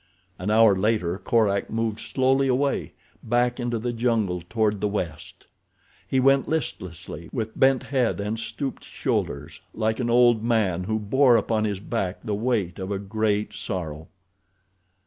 An hour later Korak moved slowly away, back into the jungle toward the west. He went listlessly, with bent head and stooped shoulders, like an old man who bore upon his back the weight of a great sorrow.